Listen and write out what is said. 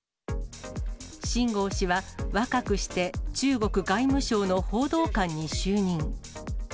秦剛氏は若くして中国外務省の報道官に就任。